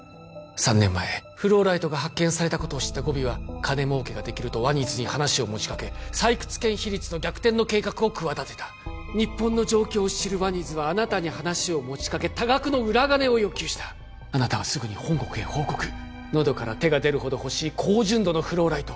３年前フローライトが発見されたことを知ったゴビは金儲けができるとワニズに話を持ちかけ採掘権比率の逆転の計画を企てた日本の状況を知るワニズはあなたに話を持ちかけ多額の裏金を要求したあなたはすぐに本国へ報告喉から手が出るほど欲しい高純度のフローライト